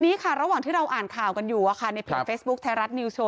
ทีนี้ค่ะระหว่างที่เราอ่านข่าวกันอยู่ในเพจเฟซบุ๊คไทยรัฐนิวโชว